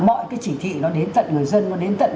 mọi cái chỉ thị nó đến tận người dân nó đến tận